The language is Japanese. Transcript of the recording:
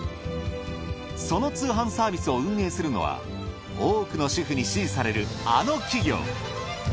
その通販サービスを運営するのは多くの主婦に支持されるあの企業。